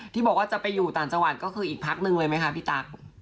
ที่บอกว่าจะไปอยู่ต่างจังหวัดก็คืออีกพักหนึ่งเลยไหมคะพี่ตั๊ก